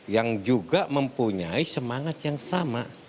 yang juga mempunyai semangat yang sama